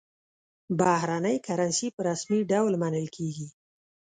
بهرنۍ کرنسي په رسمي ډول منل کېږي.